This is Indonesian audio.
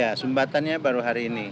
ya sumbatannya baru hari ini